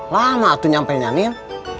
lama atu nyampenya nin